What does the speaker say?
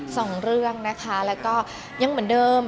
สองเรื่องนะคะแล้วก็ยังเหมือนเดิม